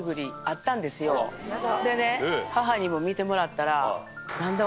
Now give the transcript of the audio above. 母にも見てもらったら。